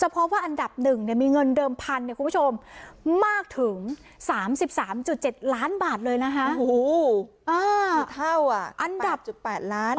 เพราะว่าอันดับหนึ่งมีเงินเดิมพันเนี่ยคุณผู้ชมมากถึงสามสิบสามจุดเจ็ดล้านบาทเลยนะฮะ